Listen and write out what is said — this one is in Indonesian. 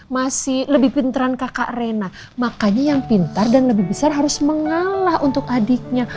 masih lebih pintaran kakak rena makanya yang pintar dan lebih besar harus mengalah untuk adiknya